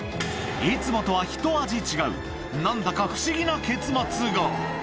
いつもとは一味違う、なんだか不思議な結末が。